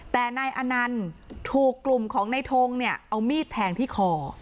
แต่นายอนันต์ถูกกลุ่มของในทงเนี่ยเอามีดแทงที่คอ